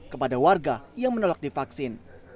kepada warga yang menolak divaksin